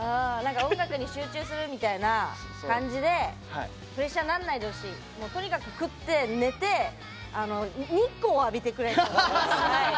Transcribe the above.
音楽に集中するみたいな感じでプレッシャーにならないでほしいとにかく、食って、寝て日光を浴びてくれと思います。